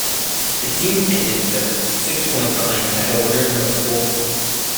The team ended third, six points behind title winners Liverpool.